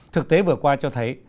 thực tế vừa qua cho thấy